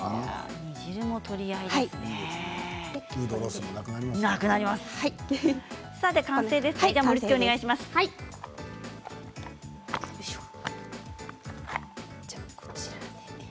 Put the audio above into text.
煮汁も取り合いですね。